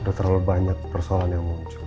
sudah terlalu banyak persoalan yang muncul